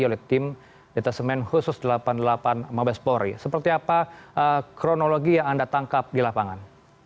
oleh tim detesemen khusus delapan puluh delapan mabespori seperti apa kronologi yang anda tangkap di lapangan